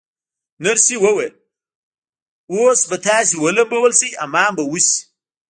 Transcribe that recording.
نرسې وویل: اوس به تاسي ولمبول شئ، حمام به وشی.